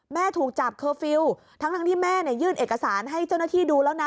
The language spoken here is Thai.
ถูกจับเคอร์ฟิลล์ทั้งที่แม่ยื่นเอกสารให้เจ้าหน้าที่ดูแล้วนะ